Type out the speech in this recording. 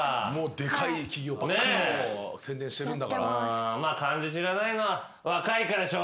でかい企業ばっかのセンデンしてるんだから。